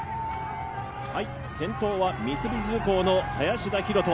先頭は三菱重工の林田洋翔。